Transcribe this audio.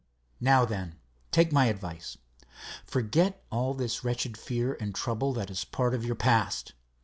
Now, then, take my advice; forget all this wretched fear and trouble that is part of your past.